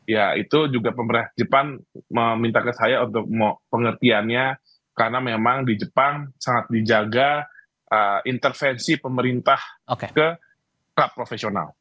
ya itu juga pemerintah jepang meminta ke saya untuk pengertiannya karena memang di jepang sangat dijaga intervensi pemerintah ke klub profesional